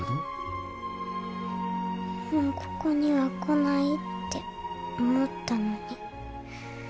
もうここには来ないって思ったのに。